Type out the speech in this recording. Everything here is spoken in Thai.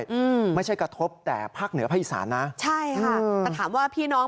อืมไม่ใช่กระทบแต่ภาคเหนือภาคอีสานนะใช่ค่ะแต่ถามว่าพี่น้อง